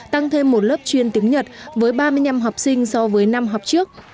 tăng thêm một lớp chuyên tiếng nhật với ba mươi năm học sinh so với năm học trước